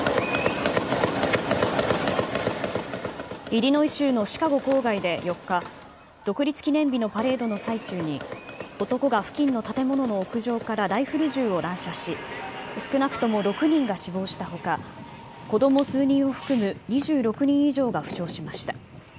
イリノイ州のシカゴ郊外で４日、独立記念日のパレードの最中に、男が付近の建物の屋上からライフル銃を乱射し、少なくとも６人が死亡したほか、子ども数人を含む２６人以上が負傷しました。